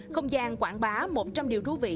không gian quảng bá một trăm linh điều thú vị